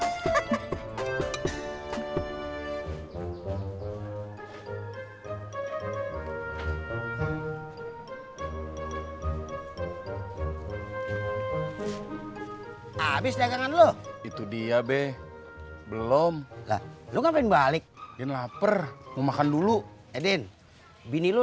habis dagangan lu itu dia be belum lu ngapain balik dan lapar mau makan dulu edwin bini lu